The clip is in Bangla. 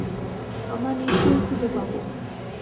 আমরা নিশ্চয়ই খুঁজে পাব।